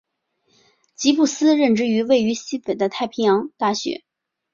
吉布斯任职于位于斐济的南太平洋大学。